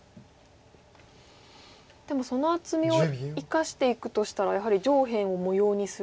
でもその厚みを生かしていくとしたらやはり上辺を模様にするとか。